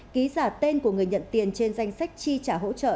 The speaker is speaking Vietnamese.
ký giả tên của người nhận tiền trên danh sách chi trả hỗ trợ